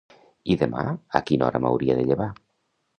I demà, a quina hora m'hauria de llevar?